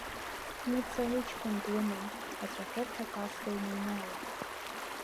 Ница лыҷкәын длыманы, аҵәахырҭа акасса иныҩналеит.